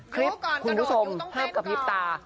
คลิปคุณผู้ชมเพิ่มกับพิษตา